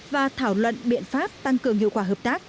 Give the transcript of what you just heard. và thảo luận biện pháp tăng cường hiệu quả hợp tác